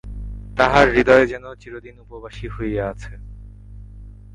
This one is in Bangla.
তাহার হৃদয় যেন চিরদিন উপবাসী হইয়া আছে।